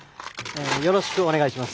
よろしくお願いします。